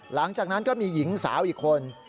หลังจากนั้นก็มีหญิงสาวอีกคน